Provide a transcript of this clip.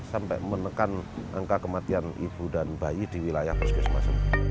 sampai menekan angka kematian ibu dan bayi di wilayah puskesmas